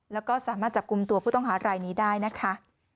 แล้วก็สามารถจับกลุ่มตัวผู้ต้องหารายนี้ได้นะคะ